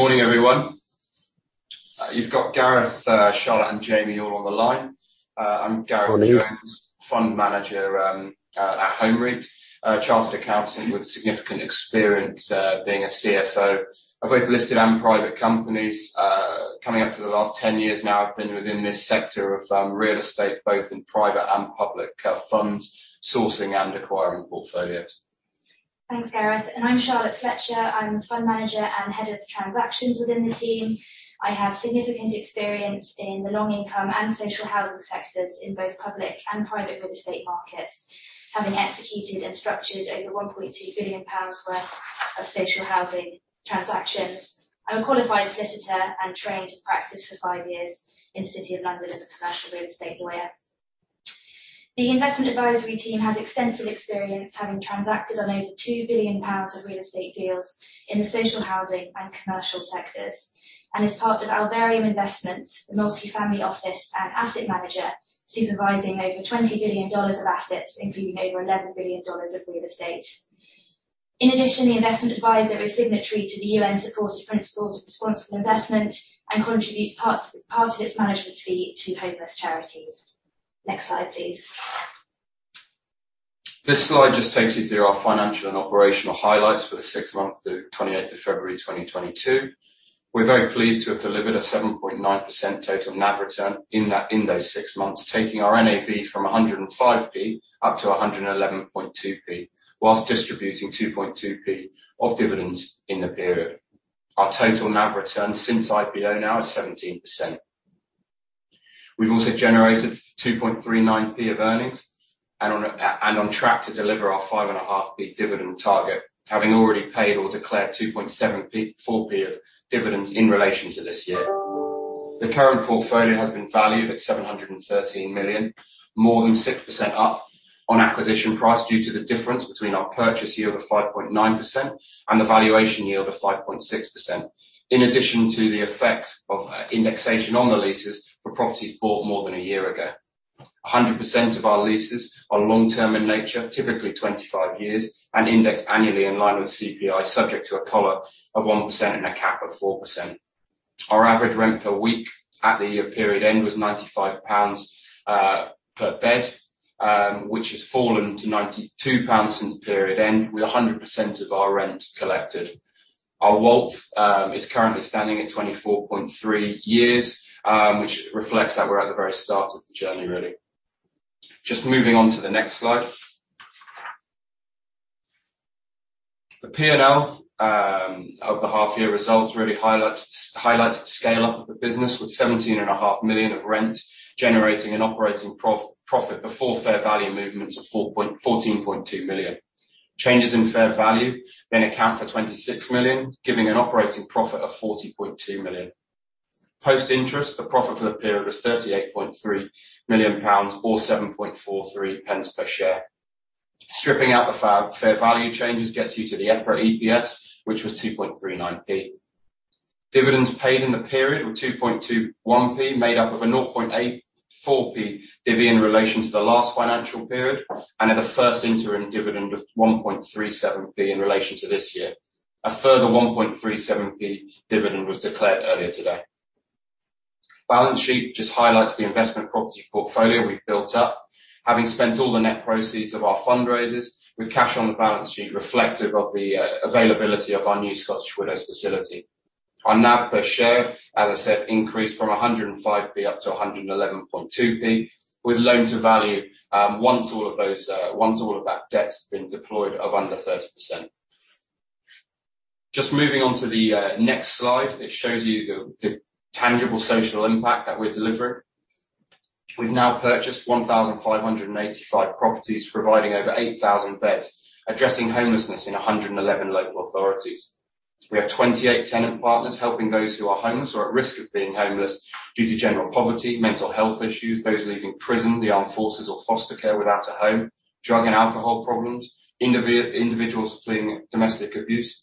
Morning, everyone. You've got Gareth, Charlotte, and Jamie all on the line. I'm Gareth Jones. Morning Fund Manager at Home REIT. Chartered Accountant with significant experience being a CFO of both listed and private companies. Coming up to the last 10 years now, I've been within this sector of real estate, both in private and public funds, sourcing and acquiring portfolios. Thanks, Gareth. I'm Charlotte Fletcher. I'm the Fund Manager and Head of Transactions within the team. I have significant experience in the long income and social housing sectors in both public and private real estate markets, having executed and structured over 1.2 billion pounds worth of social housing transactions. I'm a qualified solicitor and trained to practice for five years in the City of London as a commercial real estate lawyer. The investment advisory team has extensive experience, having transacted on over 2 billion pounds of real estate deals in the social housing and commercial sectors, and is part of Alvarium Investments, the multi-family office and asset manager supervising over $20 billion of assets, including over $11 billion of real estate. In addition, the investment advisor is signatory to the UN-supported Principles for Responsible Investment and contributes part of its management fee to homeless charities. Next slide, please. This slide just takes you through our financial and operational highlights for the six months to 28th of February 2022. We're very pleased to have delivered a 7.9% total NAV return in that, in those six months, taking our NAV from 105p up to 111.2p, while distributing 2.2p of dividends in the period. Our total NAV return since IPO now is 17%. We've also generated 2.39p of earnings and on, and on track to deliver our 5.5p dividend target, having already paid or declared 2.7p-4p of dividends in relation to this year. The current portfolio has been valued at 713 million, more than 6% up on acquisition price due to the difference between our purchase yield of 5.9% and the valuation yield of 5.6%. In addition to the effect of indexation on the leases for properties bought more than a year ago. 100% of our leases are long-term in nature, typically 25 years, and indexed annually in line with the CPI, subject to a collar of 1% and a cap of 4%. Our average rent per week at the year period end was 95 pounds per bed, which has fallen to 92 pounds since the period end, with 100% of our rent collected. Our WALT is currently standing at 24.3 years, which reflects that we're at the very start of the journey, really. Just moving on to the next slide. The P&L of the half year results really highlights the scale of the business with 17.5 million of rent, generating an operating profit before fair value movements of 14.2 million. Changes in fair value then account for 26 million, giving an operating profit of 40.2 million. Post-interest, the profit for the period was 38.3 million pounds or 7.43 pence per share. Stripping out the fair value changes gets you to the EPRA EPS, which was 2.39p. Dividends paid in the period were 2.21p, made up of a 0.84p divi in relation to the last financial period and the first interim dividend of 1.37p in relation to this year. A further 1.37p dividend was declared earlier today. Balance sheet just highlights the investment property portfolio we've built up, having spent all the net proceeds of our fundraisers with cash on the balance sheet reflective of the availability of our new Scottish Widows facility. Our NAV per share, as I said, increased from 105p up to 111.2p, with loan to value, once all of that debt's been deployed, of under 30%. Just moving on to the next slide, it shows you the tangible social impact that we're delivering. We've now purchased 1,585 properties, providing over 8,000 beds, addressing homelessness in 111 local authorities. We have 28 tenant partners helping those who are homeless or at risk of being homeless due to general poverty, mental health issues, those leaving prison, the armed forces or foster care without a home, drug and alcohol problems, individuals fleeing domestic abuse.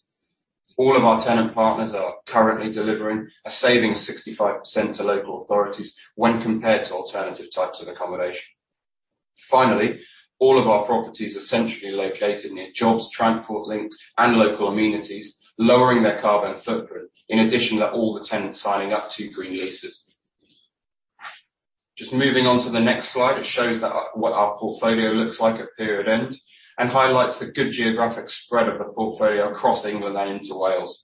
All of our tenant partners are currently delivering a saving of 65% to local authorities when compared to alternative types of accommodation. Finally, all of our properties are centrally located near jobs, transport links, and local amenities, lowering their carbon footprint, in addition to all the tenants signing up to green leases. Just moving on to the next slide, it shows what our portfolio looks like at period end and highlights the good geographic spread of the portfolio across England and into Wales.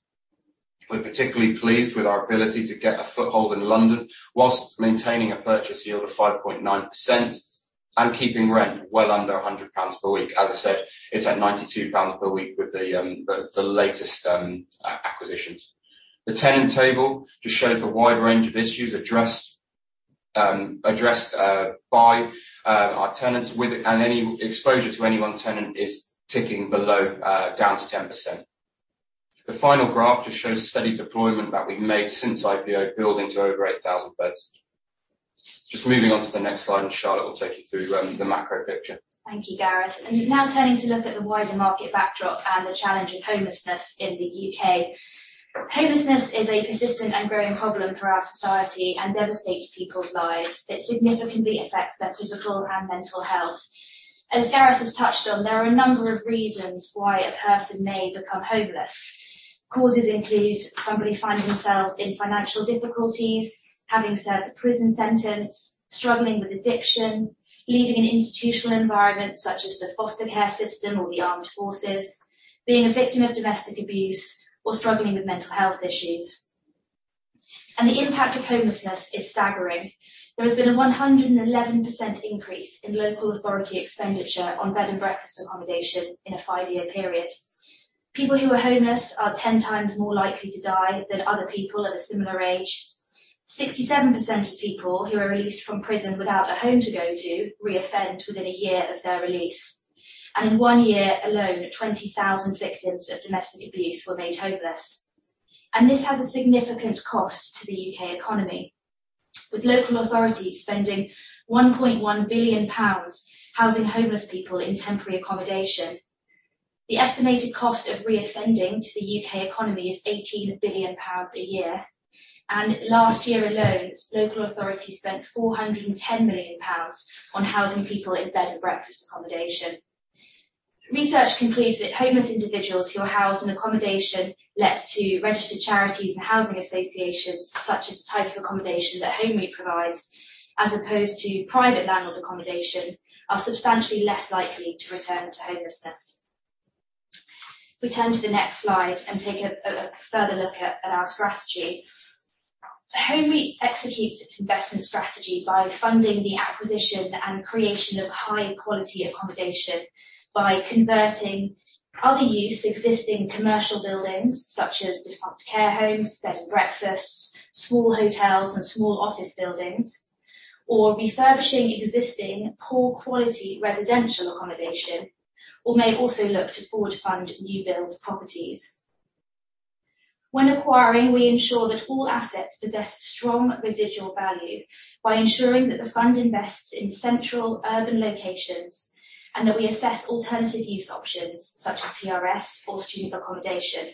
We're particularly pleased with our ability to get a foothold in London while maintaining a purchase yield of 5.9% and keeping rent well under 100 pounds per week. As I said, it's at 92 pounds per week with the latest acquisitions. The tenant table just shows the wide range of issues addressed by our tenants with it, and any exposure to any one tenant is ticking below down to 10%. The final graph just shows steady deployment that we've made since IPO, building to over 8,000 beds. Just moving on to the next slide, and Charlotte will take you through the macro picture. Thank you, Gareth. Now turning to look at the wider market backdrop and the challenge of homelessness in the UK. Homelessness is a persistent and growing problem for our society and devastates people's lives. It significantly affects their physical and mental health. As Gareth has touched on, there are a number of reasons why a person may become homeless. Causes include somebody finding themselves in financial difficulties, having served a prison sentence, struggling with addiction, leaving an institutional environment such as the foster care system or the armed forces, being a victim of domestic abuse, or struggling with mental health issues. The impact of homelessness is staggering. There has been a 111% increase in local authority expenditure on bed and breakfast accommodation in a 5-year period. People who are homeless are 10 times more likely to die than other people of a similar age. 67% of people who are released from prison without a home to go to reoffend within a year of their release. In one year alone, 20,000 victims of domestic abuse were made homeless. This has a significant cost to the U.K. economy, with local authorities spending 1.1 billion pounds housing homeless people in temporary accommodation. The estimated cost of reoffending to the U.K. economy is 18 billion pounds a year. Last year alone, local authorities spent 410 million pounds on housing people in bed and breakfast accommodation. Research concludes that homeless individuals who are housed in accommodation let to registered charities and housing associations, such as the type of accommodation that Home REIT provides, as opposed to private landlord accommodation, are substantially less likely to return to homelessness. If we turn to the next slide and take a further look at our strategy. Home REIT executes its investment strategy by funding the acquisition and creation of high-quality accommodation by converting otherwise used existing commercial buildings such as defunct care homes, bed and breakfasts, small hotels, and small office buildings, or refurbishing existing poor quality residential accommodation, or may also look to forward fund new build properties. When acquiring, we ensure that all assets possess strong residual value by ensuring that the fund invests in central urban locations, and that we assess alternative use options such as PRS or student accommodation,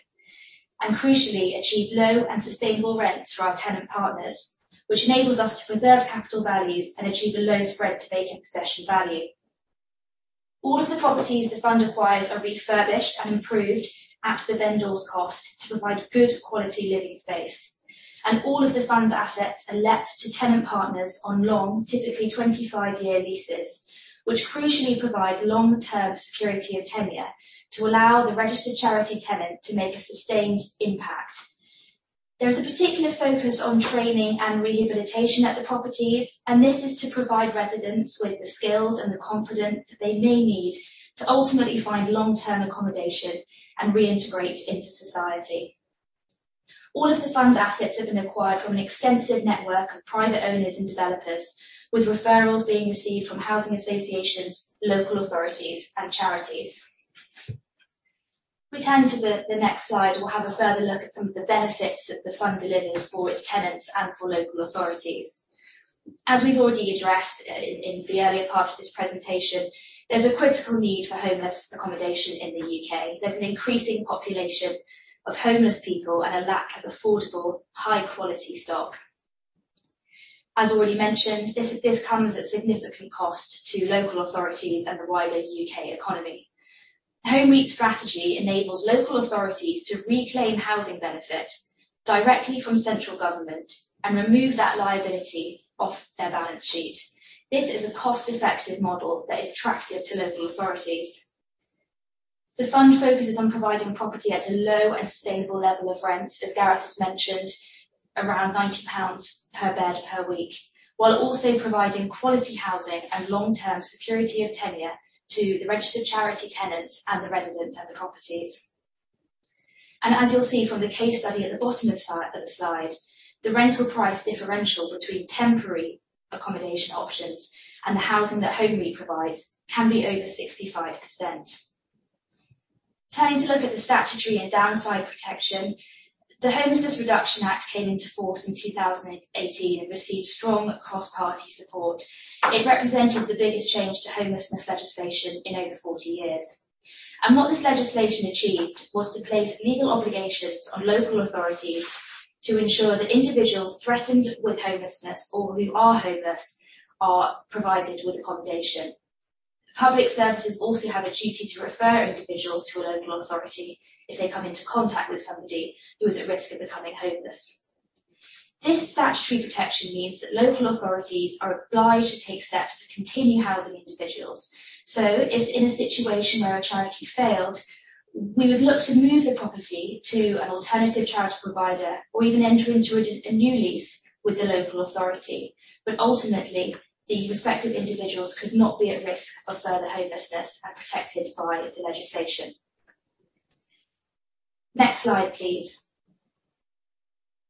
and crucially, achieve low and sustainable rents for our tenant partners, which enables us to preserve capital values and achieve a low spread to vacant possession value. All of the properties the fund acquires are refurbished and improved at the vendor's cost to provide good quality living space. All of the fund's assets are let to tenant partners on long, typically 25-year leases, which crucially provide long-term security of tenure to allow the registered charity tenant to make a sustained impact. There is a particular focus on training and rehabilitation at the properties, and this is to provide residents with the skills and the confidence that they may need to ultimately find long-term accommodation and reintegrate into society. All of the fund's assets have been acquired from an extensive network of private owners and developers, with referrals being received from housing associations, local authorities, and charities. If we turn to the next slide, we'll have a further look at some of the benefits that the fund delivers for its tenants and for local authorities. As we've already addressed in the earlier part of this presentation, there's a critical need for homeless accommodation in the UK. There's an increasing population of homeless people and a lack of affordable, high-quality stock. As already mentioned, this comes at significant cost to local authorities and the wider UK economy. Home REIT's strategy enables local authorities to reclaim housing benefit directly from central government and remove that liability off their balance sheet. This is a cost-effective model that is attractive to local authorities. The fund focuses on providing property at a low and sustainable level of rent, as Gareth has mentioned, around 90 pounds per bed per week, while also providing quality housing and long-term security of tenure to the registered charity tenants and the residents at the properties. You'll see from the case study at the bottom of the slide, the rental price differential between temporary accommodation options and the housing that Home REIT provides can be over 65%. Turning to look at the statutory and downside protection, the Homelessness Reduction Act 2017 came into force in 2018 and received strong cross-party support. It represented the biggest change to homelessness legislation in over 40 years. What this legislation achieved was to place legal obligations on local authorities to ensure that individuals threatened with homelessness or who are homeless are provided with accommodation. Public services also have a duty to refer individuals to a local authority if they come into contact with somebody who is at risk of becoming homeless. This statutory protection means that local authorities are obliged to take steps to continue housing individuals. If in a situation where a charity failed, we would look to move the property to an alternative charity provider or even enter into a new lease with the local authority. Ultimately, the respective individuals could not be at risk of further homelessness and protected by the legislation. Next slide, please.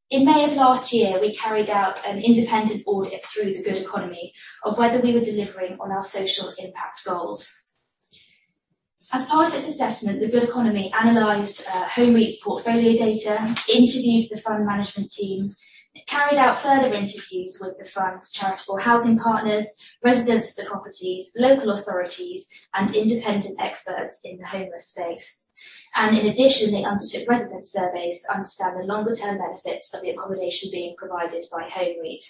In May of last year, we carried out an independent audit through The Good Economy of whether we were delivering on our social impact goals. As part of this assessment, The Good Economy analyzed Home REIT's portfolio data, interviewed the fund management team. It carried out further interviews with the fund's charitable housing partners, residents of the properties, local authorities, and independent experts in the homeless space. In addition, they undertook resident surveys to understand the longer-term benefits of the accommodation being provided by Home REIT.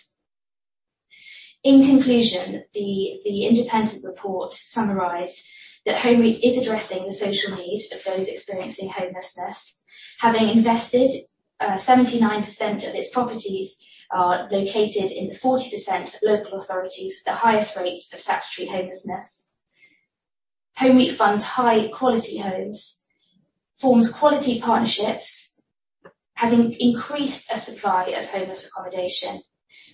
In conclusion, the independent report summarized that Home REIT is addressing the social need of those experiencing homelessness, having invested 79% of its properties are located in the 40% of local authorities with the highest rates of statutory homelessness. Home REIT funds high quality homes, forms quality partnerships, has increased a supply of homeless accommodation,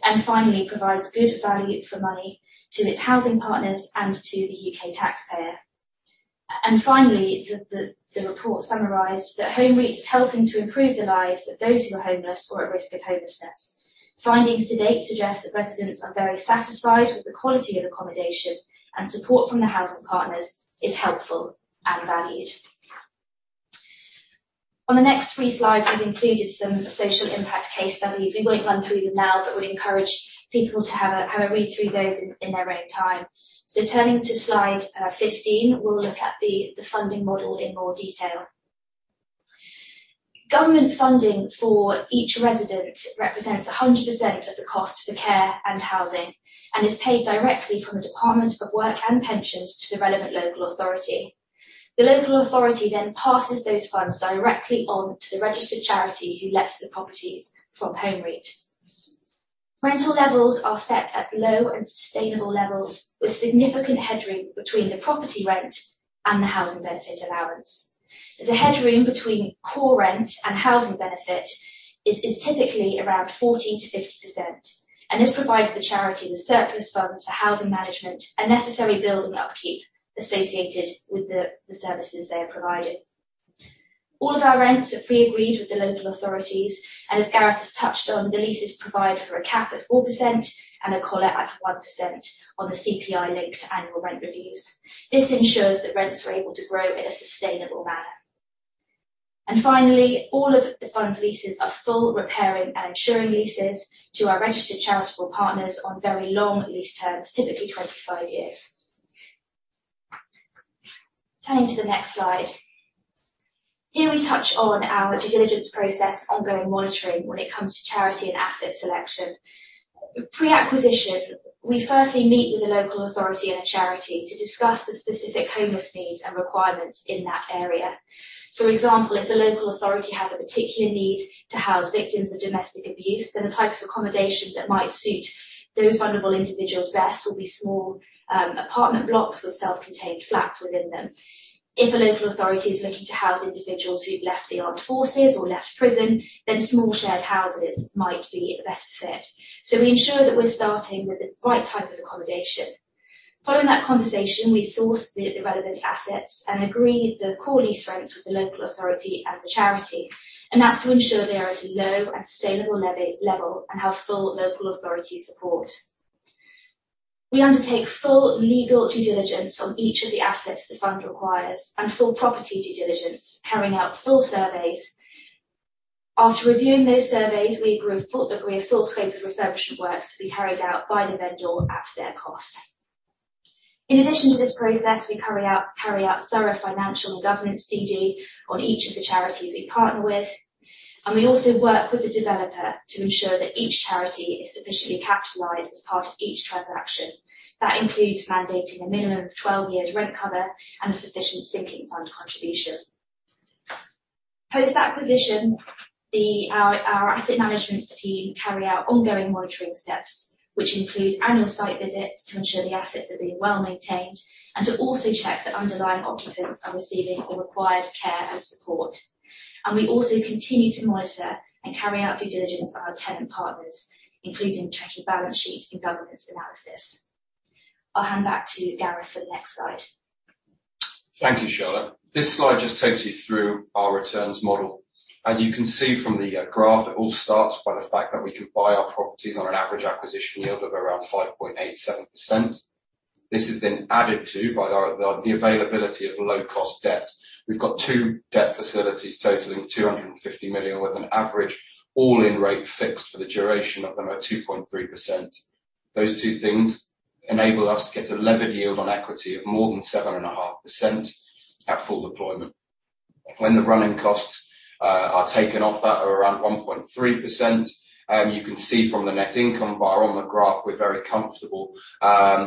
and finally, provides good value for money to its housing partners and to the UK taxpayer. Finally, the report summarized that Home REIT is helping to improve the lives of those who are homeless or at risk of homelessness. Findings to date suggest that residents are very satisfied with the quality of accommodation and support from the housing partners is helpful and valued. On the next three slides, we've included some social impact case studies. We won't run through them now, but would encourage people to have a read through those in their own time. Turning to slide 15, we'll look at the funding model in more detail. Government funding for each resident represents 100% of the cost for care and housing and is paid directly from the Department for Work and Pensions to the relevant local authority. The local authority then passes those funds directly on to the registered charity who lets the properties from Home REIT. Rental levels are set at low and sustainable levels with significant headroom between the property rent and the housing benefit allowance. The headroom between core rent and housing benefit is typically around 40%-50%, and this provides the charity the surplus funds for housing management and necessary building upkeep associated with the services they are providing. All of our rents are pre-agreed with the local authorities, and as Gareth has touched on, the leases provide for a cap at 4% and a collar at 1% on the CPI-linked annual rent reviews. This ensures that rents are able to grow in a sustainable manner. Finally, all of the fund's leases are full repairing and insuring leases to our registered charitable partners on very long lease terms, typically 25 years. Turning to the next slide. Here we touch on our due diligence process, ongoing monitoring when it comes to charity and asset selection. Pre-acquisition, we firstly meet with the local authority and a charity to discuss the specific homeless needs and requirements in that area. For example, if the local authority has a particular need to house victims of domestic abuse, then the type of accommodation that might suit those vulnerable individuals best will be small apartment blocks with self-contained flats within them. If a local authority is looking to house individuals who've left the armed forces or left prison, then small shared houses might be a better fit. We ensure that we're starting with the right type of accommodation. Following that conversation, we source the relevant assets and agree the core lease rents with the local authority and the charity, and that's to ensure they are at a low and sustainable level and have full local authority support. We undertake full legal due diligence on each of the assets the fund requires and full property due diligence, carrying out full surveys. After reviewing those surveys, we agree a full scope of refurbishment works to be carried out by the vendor at their cost. In addition to this process, we carry out thorough financial and governance DD on each of the charities we partner with, and we also work with the developer to ensure that each charity is sufficiently capitalized as part of each transaction. That includes mandating a minimum of 12 years rent cover and a sufficient sinking fund contribution. Post-acquisition, our asset management team carry out ongoing monitoring steps, which include annual site visits to ensure the assets are being well-maintained and to also check that underlying occupants are receiving the required care and support. We also continue to monitor and carry out due diligence on our tenant partners, including checking balance sheet and governance analysis. I'll hand back to Gareth for the next slide. Thank you, Charlotte. This slide just takes you through our returns model. As you can see from the graph, it all starts by the fact that we can buy our properties on an average acquisition yield of around 5.87%. This is then added to by the availability of low-cost debt. We've got two debt facilities totaling 250 million with an average all-in rate fixed for the duration of them at 2.3%. Those two things enable us to get a levered yield on equity of more than 7.5% at full deployment. When the running costs are taken off, that are around 1.3%. You can see from the net income bar on the graph, we're very comfortable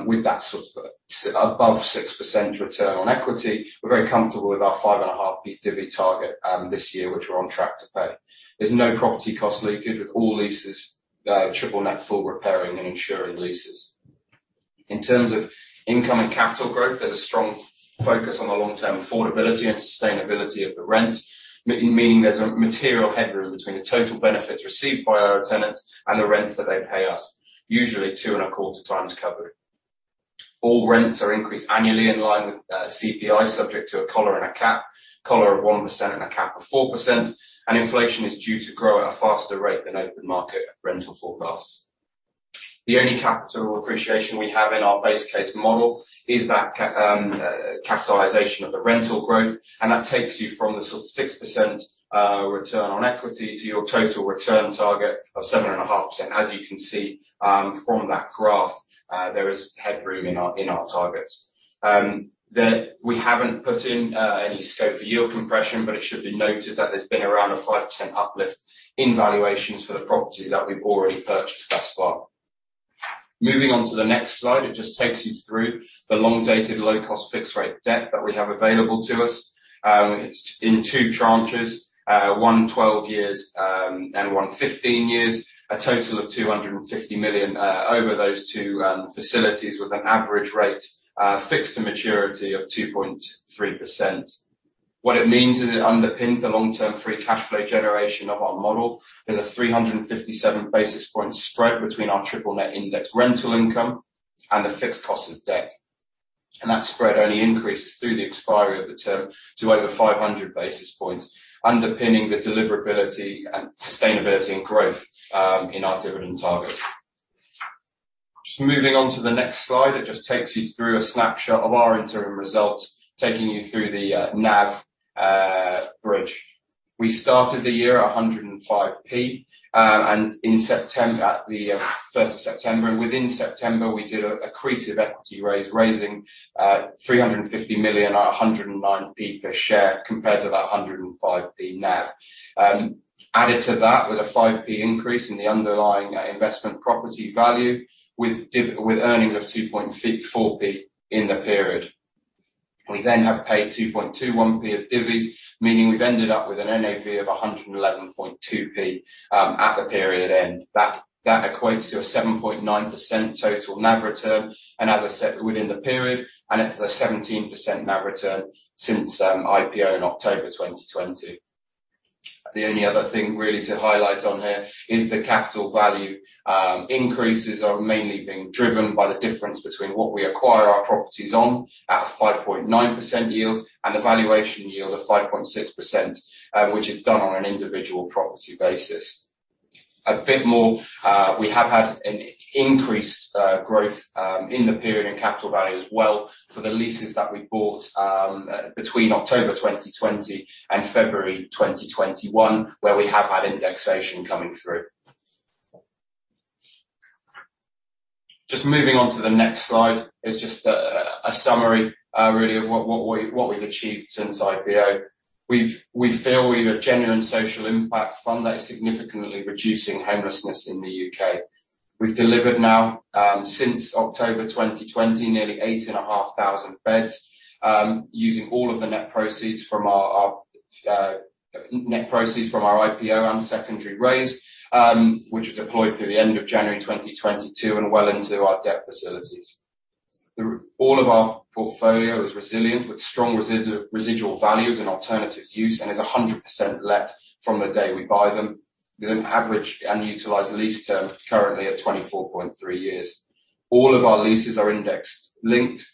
with that sort of above 6% return on equity. We're very comfortable with our 5.5p dividend target this year, which we're on track to pay. There's no property cost leakage with all leases triple net full repairing and insuring leases. In terms of income and capital growth, there's a strong focus on the long-term affordability and sustainability of the rent, meaning there's a material headroom between the total benefits received by our tenants and the rents that they pay us, usually 2.25 times cover. All rents are increased annually in line with CPI subject to a collar and a cap, collar of 1% and a cap of 4%, and inflation is due to grow at a faster rate than open market rental forecasts. The only capital appreciation we have in our base case model is that capitalization of the rental growth, and that takes you from the sort of 6% return on equity to your total return target of 7.5%. As you can see from that graph, there is headroom in our targets. We haven't put in any scope for yield compression, but it should be noted that there's been around a 5% uplift in valuations for the properties that we've already purchased thus far. Moving on to the next slide, it just takes you through the long-dated low cost fixed rate debt that we have available to us. It's in two tranches, one 12 years, and one 15 years. A total of 250 million over those two facilities with an average rate fixed to maturity of 2.3%. What it means is it underpins the long-term free cash flow generation of our model. There's a 357 basis points spread between our triple net indexed rental income and the fixed cost of debt. That spread only increases through the expiry of the term to over 500 basis points, underpinning the deliverability and sustainability and growth in our dividend target. Just moving on to the next slide, it just takes you through a snapshot of our interim results, taking you through the NAV bridge. We started the year at 105p and in September, at the first of September. Within September, we did an accretive equity raise, raising 350 million at 109p per share compared to that 105p NAV. Added to that was a 5p increase in the underlying investment property value with earnings of 2.4p in the period. We then have paid 2.21p of divvies, meaning we've ended up with an NAV of 111.2p at the period end. That equates to a 7.9% total NAV return, and as I said, within the period, and it's a 17% NAV return since IPO in October 2020. The only other thing really to highlight on here is the capital value. Increases are mainly being driven by the difference between what we acquire our properties on at 5.9% yield, and the valuation yield of 5.6%, which is done on an individual property basis. A bit more, we have had an increased growth in the period in capital value as well for the leases that we bought between October 2020 and February 2021, where we have had indexation coming through. Just moving on to the next slide, is just a summary really of what we've achieved since IPO. We feel we're a genuine social impact fund that is significantly reducing homelessness in the U.K. We've delivered now since October 2020 nearly 8,500 beds using all of the net proceeds from our IPO and secondary raise which was deployed through the end of January 2022 and well into our debt facilities. All of our portfolio is resilient with strong residual values and alternative uses and is 100% let from the day we buy them. We then average and utilize the lease term currently at 24.3 years. All of our leases are index linked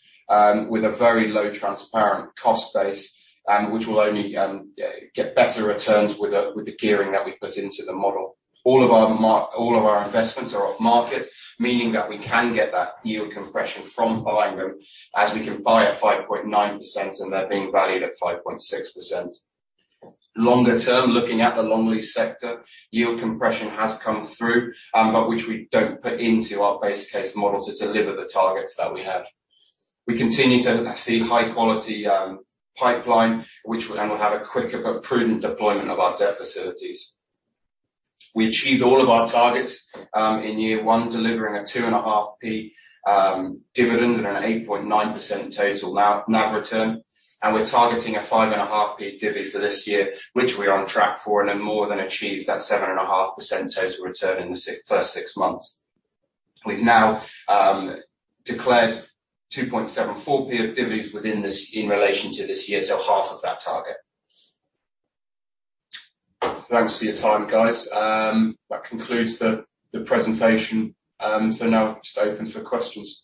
with a very low transparent cost base which will only get better returns with the gearing that we put into the model. All of our investments are off market, meaning that we can get that yield compression from buying them, as we can buy at 5.9% and they're being valued at 5.6%. Longer term, looking at the long lease sector, yield compression has come through, but which we don't put into our base case model to deliver the targets that we have. We continue to see high quality pipeline, which will then have a quicker but prudent deployment of our debt facilities. We achieved all of our targets in year one, delivering a 2.5p dividend and an 8.9% total NAV return, and we're targeting a 5.5p divvy for this year, which we're on track for, and have more than achieved that 7.5% total return in the first six months. We've now declared 2.74p of divvies within this, in relation to this year, so half of that target. Thanks for your time, guys. That concludes the presentation. Now just open for questions.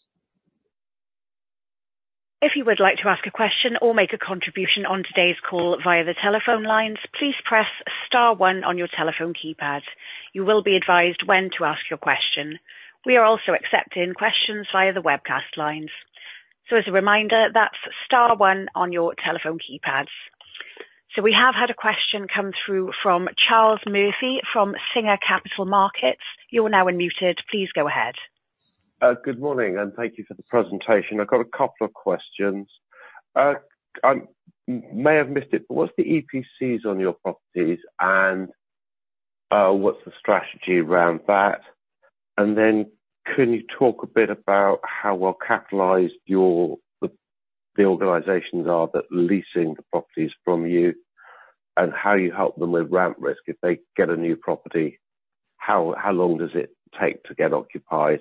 If you would like to ask a question or make a contribution on today's call via the telephone lines, please press star one on your telephone keypad. You will be advised when to ask your question. We are also accepting questions via the webcast lines. As a reminder, that's star one on your telephone keypads. We have had a question come through from Charlie Murphy from Singer Capital Markets. You are now unmuted. Please go ahead. Good morning, and thank you for the presentation. I've got a couple of questions. I may have missed it, but what's the EPCs on your properties, and what's the strategy around that? Can you talk a bit about how well capitalized the organizations are that are leasing the properties from you, and how you help them with ramp risk if they get a new property, how long does it take to get occupied?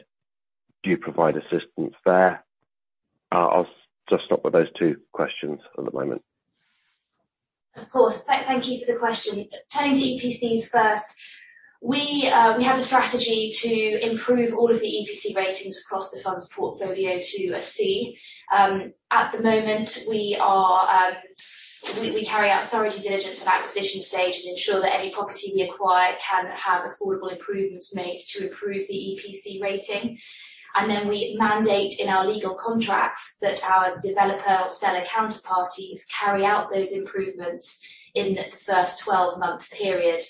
Do you provide assistance there? I'll just stop with those two questions at the moment. Of course. Thank you for the question. Turning to EPCs first, we have a strategy to improve all of the EPC ratings across the fund's portfolio to a C. At the moment, we carry out thorough due diligence at acquisition stage and ensure that any property we acquire can have affordable improvements made to improve the EPC rating. We mandate in our legal contracts that our developer or seller counterparties carry out those improvements in the first 12-month period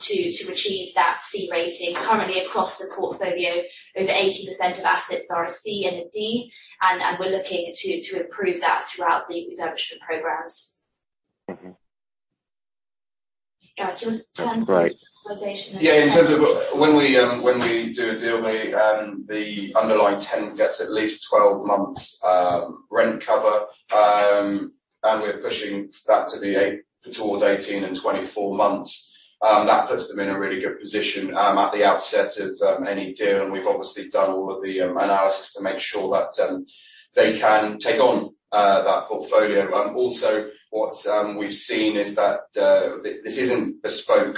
to achieve that C rating. Currently across the portfolio, over 80% of assets are a C and a D, and we're looking to improve that throughout the refurbishment programs. Mm-hmm. Gareth, do you want to turn to stabilization and-? Yeah, in terms of when we do a deal, the underlying tenant gets at least 12 months rent cover. We are pushing that to be towards 18 and 24 months. That puts them in a really good position at the outset of any deal. We've obviously done all of the analysis to make sure that they can take on that portfolio. Also what we've seen is that this isn't bespoke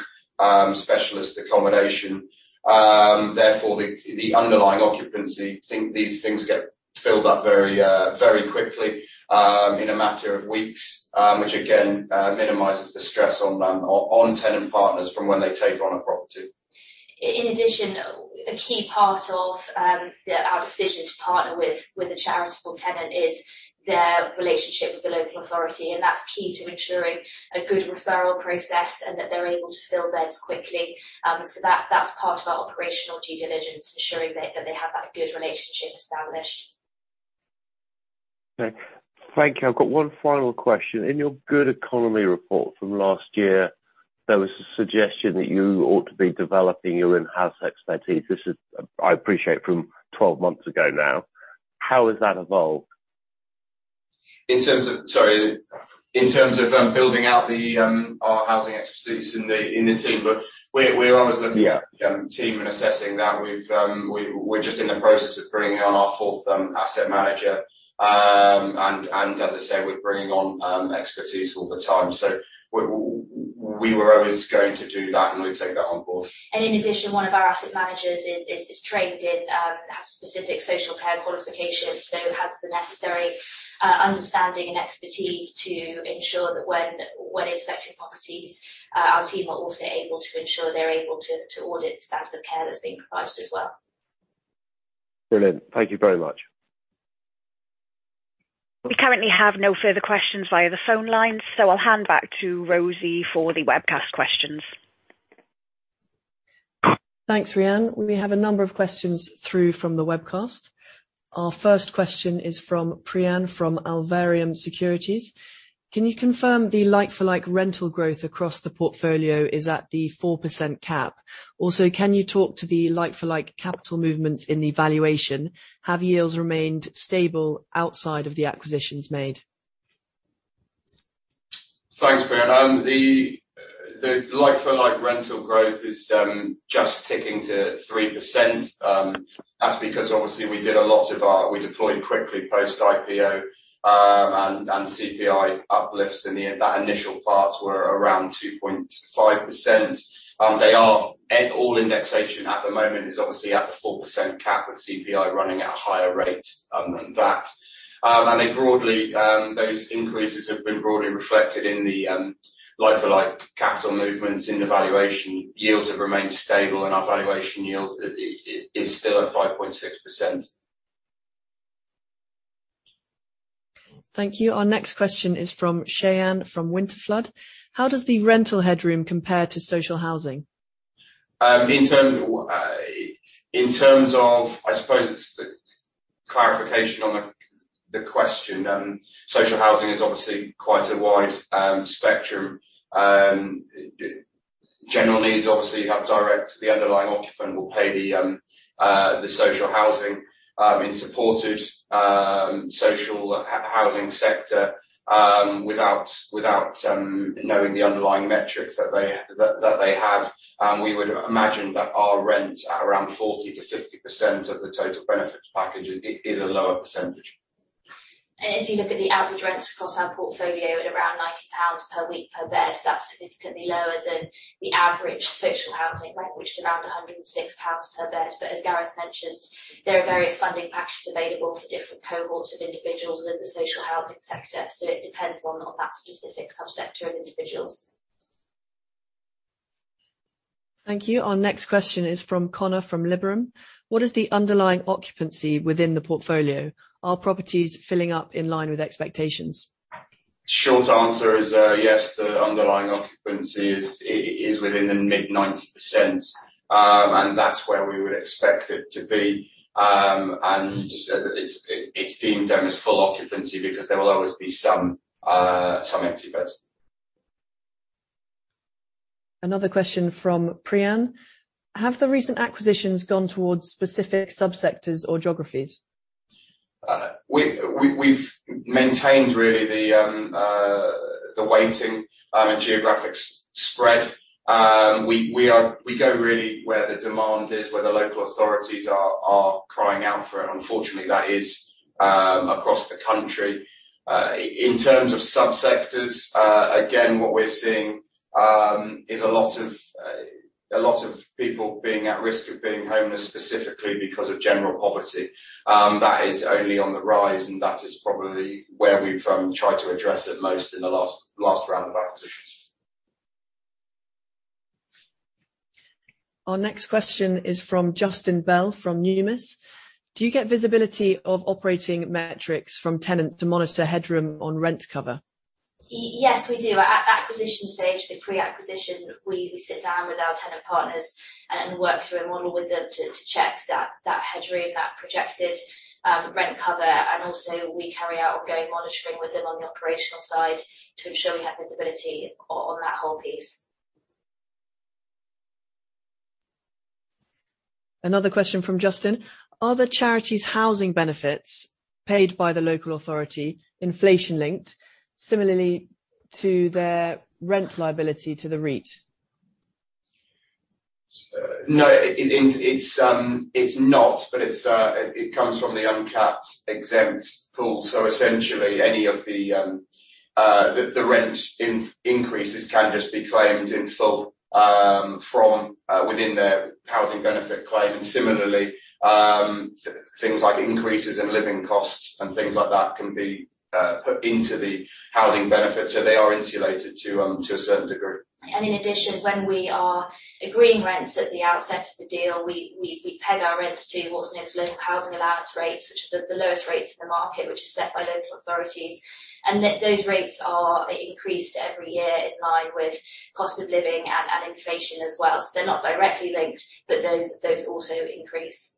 specialist accommodation, therefore the underlying occupancy, these things get filled up very quickly in a matter of weeks. Which again minimizes the stress on tenant partners from when they take on a property. In addition, a key part of our decision to partner with a charitable tenant is their relationship with the local authority, and that's key to ensuring a good referral process and that they're able to fill beds quickly. That's part of our operational due diligence, ensuring that they have that good relationship established. Okay. Thank you. I've got one final question. In your The Good Economy report from last year, there was a suggestion that you ought to be developing your in-house expertise. This is, I appreciate from 12 months ago now. How has that evolved? In terms of building out our housing expertise in the team, but we're always looking at team and assessing that. We're just in the process of bringing on our fourth asset manager. As I said, we're bringing on expertise all the time. We were always going to do that, and we take that on board. In addition, one of our asset managers has specific social care qualifications, so has the necessary understanding and expertise to ensure that when inspecting properties, our team are also able to ensure they're able to audit the standards of care that's being provided as well. Brilliant. Thank you very much. We currently have no further questions via the phone lines, so I'll hand back to Rosie for the webcast questions. Thanks, Rhiannon. We have a number of questions through from the webcast. Our first question is from Priyan from Alvarium Securities. Can you confirm the like-for-like rental growth across the portfolio is at the 4% cap? Also, can you talk to the like-for-like capital movements in the valuation? Have yields remained stable outside of the acquisitions made? Thanks, Priyan. The like-for-like rental growth is just ticking to 3%. That's because obviously we did a lot of our. We deployed quickly post-IPO, and CPI uplifts in that initial parts were around 2.5%. They are at all indexation at the moment is obviously at the 4% cap, with CPI running at a higher rate than that. They broadly, those increases have been broadly reflected in the like-for-like capital movements in the valuation. Yields have remained stable, and our valuation yield is still at 5.6%. Thank you. Our next question is from Shayan Ratnasingam from Winterflood Securities. How does the rental headroom compare to social housing? In terms of, I suppose it's the clarification on the question. Social housing is obviously quite a wide spectrum. General needs, obviously, you have direct, the underlying occupant will pay the social housing in supported social housing sector without knowing the underlying metrics that they have. We would imagine that our rent at around 40%-50% of the total benefits package is a lower percentage. If you look at the average rents across our portfolio at around 90 pounds per week per bed, that's significantly lower than the average social housing rent, which is around 106 pounds per bed. As Gareth mentioned, there are various funding packages available for different cohorts of individuals within the social housing sector. It depends on that specific subsector of individuals. Thank you. Our next question is from Connor from Liberum. What is the underlying occupancy within the portfolio? Are properties filling up in line with expectations? Short answer is yes, the underlying occupancy is within the mid-90%. That's where we would expect it to be. It's deemed then as full occupancy because there will always be some empty beds. Another question from Priyan. Have the recent acquisitions gone towards specific subsectors or geographies? We've maintained really the weighting and geographic spread. We go really where the demand is, where the local authorities are crying out for, and unfortunately, that is across the country. In terms of subsectors, again, what we're seeing is a lot of people being at risk of being homeless specifically because of general poverty. That is only on the rise, and that is probably where we've tried to address it most in the last round of acquisitions. Our next question is from Justin Bell from Numis. Do you get visibility of operating metrics from tenants to monitor headroom on rent cover? Yes, we do. At acquisition stage, so pre-acquisition, we sit down with our tenant partners and work through a model with them to check that headroom, that projected rent cover. We carry out ongoing monitoring with them on the operational side to ensure we have visibility on that whole piece. Another question from Justin. Are the charity's housing benefits paid by the local authority inflation-linked similarly to their rent liability to the REIT? No. It's not, but it comes from the uncapped exempt pool. Essentially any of the rent increases can just be claimed in full from within their housing benefit claim. Similarly, things like increases in living costs and things like that can be put into the housing benefit, so they are insulated to a certain degree. In addition, when we are agreeing rents at the outset of the deal, we peg our rents to what's known as Local Housing Allowance rates, which are the lowest rates in the market, which is set by local authorities. Those rates are increased every year in line with cost of living and inflation as well. They're not directly linked, but those also increase.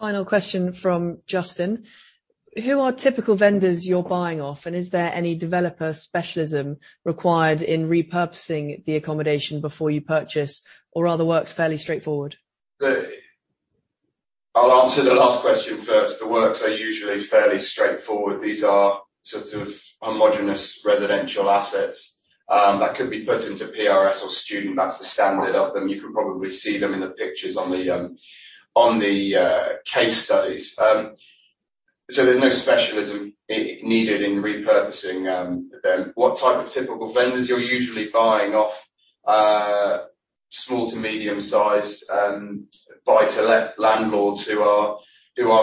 The final question from Justin Bell. Who are typical vendors you're buying from, and is there any developer specialism required in repurposing the accommodation before you purchase or are the works fairly straightforward? I'll answer the last question first. The works are usually fairly straightforward. These are sort of homogeneous residential assets that could be put into PRS or student. That's the standard of them. You can probably see them in the pictures on the case studies. There's no specialism needed in repurposing them. What type of typical vendors you're usually buying off small to medium-sized buy-to-let landlords who are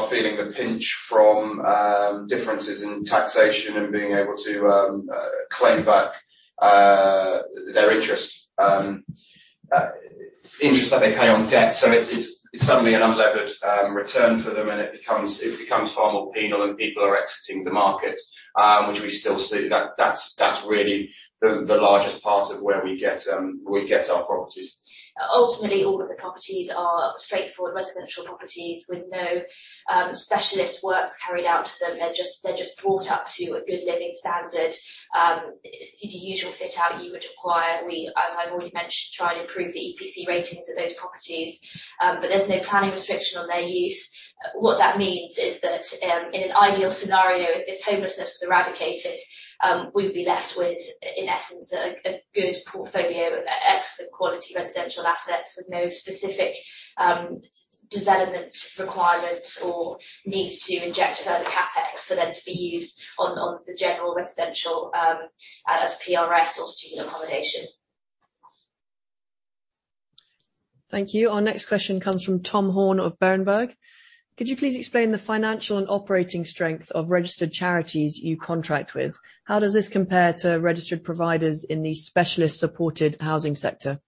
feeling the pinch from differences in taxation and being able to claim back their interest that they pay on debt. It is suddenly an unlevered return for them, and it becomes far more penal, and people are exiting the market, which we still see. That's really the largest part of where we get our properties. Ultimately, all of the properties are straightforward residential properties with no specialist works carried out to them. They're just brought up to a good living standard. The usual fit-out you would acquire. As I've already mentioned, try and improve the EPC ratings of those properties, but there's no planning restriction on their use. What that means is that, in an ideal scenario, if homelessness was eradicated, we'd be left with, in essence, a good portfolio of excellent quality residential assets with no specific development requirements or need to inject further CapEx for them to be used on the general residential, as PRS or student accommodation. Thank you. Our next question comes from Tom Horn of Berenberg. Could you please explain the financial and operating strength of registered charities you contract with? How does this compare to registered providers in the specialist supported housing sector?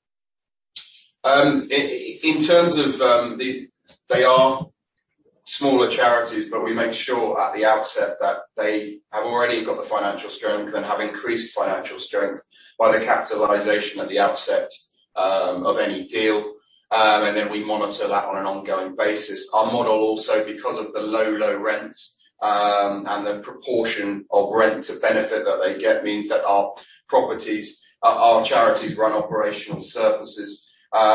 In terms of, they are smaller charities, but we make sure at the outset that they have already got the financial strength and have increased financial strength by the capitalization at the outset, of any deal. We monitor that on an ongoing basis. Our model also, because of the low rents and the proportion of rent to benefit that they get, means that our properties, our charities run operational surpluses,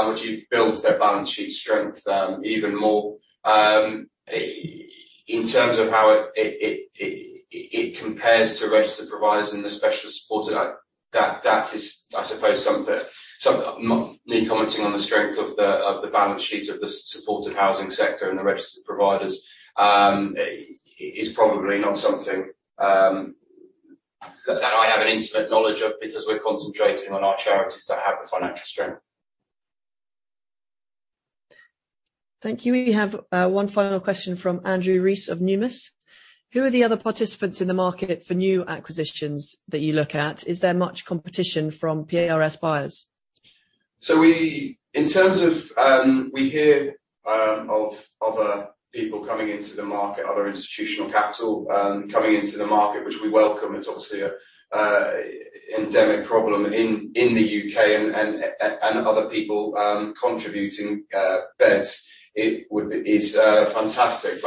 which builds their balance sheet strength, even more. In terms of how it compares to registered providers in the specialist supported, that is, I suppose, something, not me commenting on the strength of the balance sheet of the supported housing sector and the registered providers. It is probably not something that I have an intimate knowledge of because we're concentrating on our charities that have the financial strength. Thank you. We have one final question from Andrew Rees of Numis. Who are the other participants in the market for new acquisitions that you look at? Is there much competition from PRS buyers? We hear of other people coming into the market, other institutional capital coming into the market, which we welcome. It's obviously an endemic problem in the UK and other people contributing beds. It is fantastic.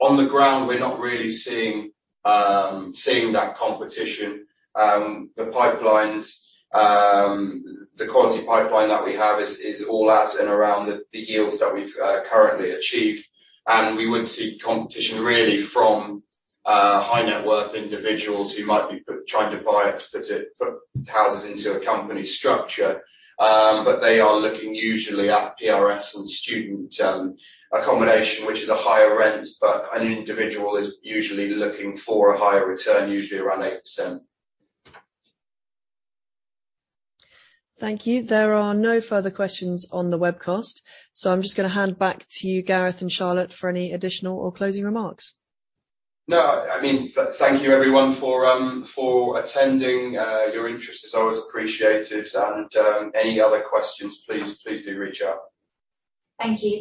On the ground, we're not really seeing that competition. The pipelines, the quality pipeline that we have is all at and around the yields that we've currently achieved. We would see competition really from high net worth individuals who might be trying to buy it to put houses into a company structure. They are looking usually at PRS and student accommodation, which is a higher rent, but an individual is usually looking for a higher return, usually around 8%. Thank you. There are no further questions on the webcast. I'm just gonna hand back to you, Gareth and Charlotte, for any additional or closing remarks. No. I mean, thank you everyone for attending. Your interest is always appreciated. Any other questions, please do reach out. Thank you.